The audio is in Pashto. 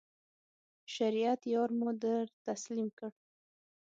شریعت یار مو در تسلیم کړ.